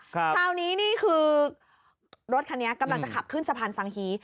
คราวนี้นี่คือรถคันนี้กำลังจะขับขึ้นสะพานสังฮี